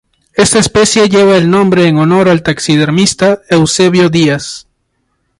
Esta especie lleva el nombre en honor al taxidermista Eusebio Diaz.